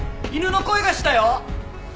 犬の声がしたよ！